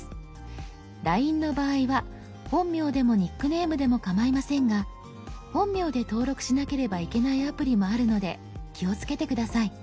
「ＬＩＮＥ」の場合は本名でもニックネームでもかまいませんが本名で登録しなければいけないアプリもあるので気をつけて下さい。